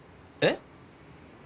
えっ？